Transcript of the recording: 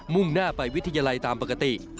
่งหน้าไปวิทยาลัยตามปกติ